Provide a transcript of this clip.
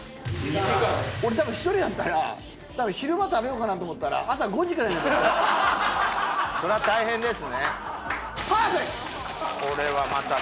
俺多分１人だったら昼間食べようかなと思ったら朝５時からそれは大変ですねパーフェクト！